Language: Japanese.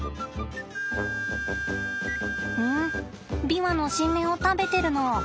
ビワの新芽を食べてるの？